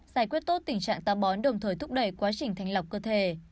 giải quyết tốt tình trạng tam bón đồng thời thúc đẩy quá trình thanh lọc cơ thể